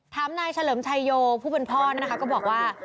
นายเฉลิมชัยโยผู้เป็นพ่อนะคะก็บอกว่า